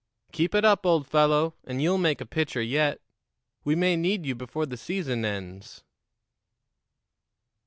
Keep it up, old fellow, and you'll make a pitcher yet, We may need you before the season ends."